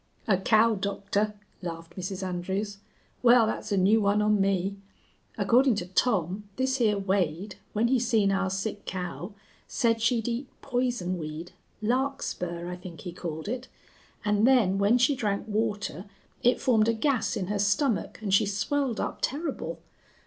"A cow doctor," laughed Mrs. Andrews. "Wal, that's a new one on me. Accordin' to Tom, this here Wade, when he seen our sick cow, said she'd eat poison weed larkspur, I think he called it an' then when she drank water it formed a gas in her stomach an' she swelled up turrible.